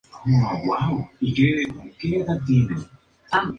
Jesús dijo: "Yo soy la verdad".